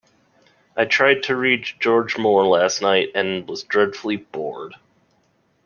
I tried to read George Moore last night, and was dreadfully bored.